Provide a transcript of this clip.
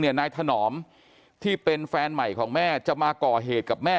นายถนอมที่เป็นแฟนใหม่ของแม่จะมาก่อเหตุกับแม่